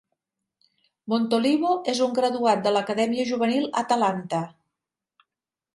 Montolivo és un graduat de l'acadèmia juvenil Atalanta.